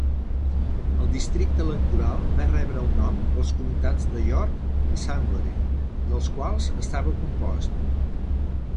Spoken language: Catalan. El districte electoral va rebre el nom pels comtats de York i Sunbury, dels quals estava compost.